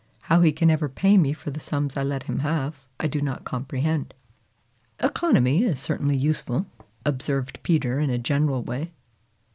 How he can ever pay me for the sums I let him have, I do not comprehend." "Economy is certainly useful," observed Peter in a general way.